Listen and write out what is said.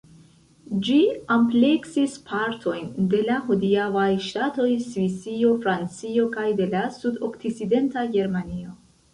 Ĝi ampleksis partojn de la hodiaŭaj ŝtatoj Svisio, Francio kaj de la sudokcidenta Germanio.